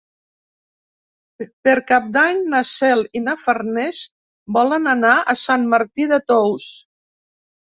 Per Cap d'Any na Cel i na Farners volen anar a Sant Martí de Tous.